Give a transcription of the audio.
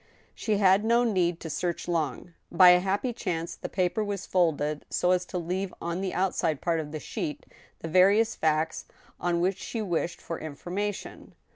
She had no need to search long. By a happy chance the paper was folded so as to leave on the outside part of the sheet the various facts on which she wished for information.